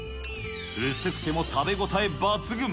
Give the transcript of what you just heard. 薄くても食べ応え抜群。